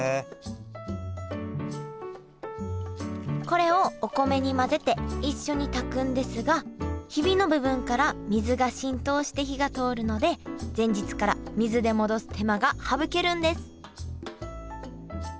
これをお米に混ぜて一緒に炊くんですがヒビの部分から水が浸透して火が通るので前日から水で戻す手間が省けるんです